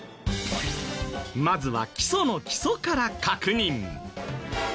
まずは基礎の基礎から確認。